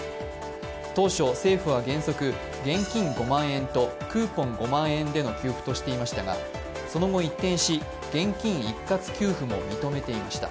当初、政府は原則現金５万円とクーポン５万円での給付としていましたがその後一転し現金一括給付も認めていました。